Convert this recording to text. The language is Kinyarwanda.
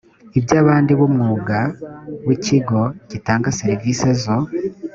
iby abandi w umwuga w ikigo gitanga serivisi zo